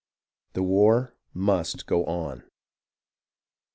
The war must go on.